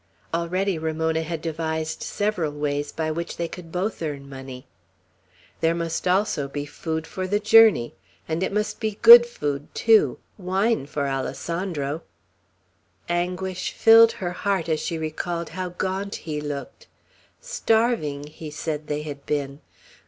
Already Ramona had devised several ways by which they could both earn money. There must be also food for the journey. And it must be good food, too; wine for Alessandro. Anguish filled her heart as she recalled how gaunt he looked. "Starving," he said they had been.